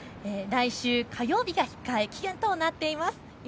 来週火曜日が引き換え期限となっています。